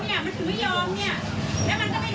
ไม่ใช่เกี่ยวกับพ่อกับแม่พ่อกับแม่ต่อแล้วเด็กมันเป็นอย่างนี้